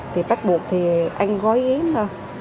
thì bắt buộc thì anh gói yến thôi